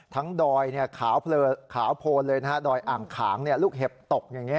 ทั้งดอยเนี่ยขาวโผล่เลยนะครับดอยอ่างขางเนี่ยลูกเห็บตกอย่างนี้